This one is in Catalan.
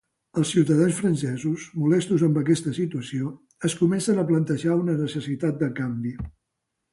Els ciutadans francesos, molestos amb aquesta situació, es comencen a plantejar una necessitat de canvi.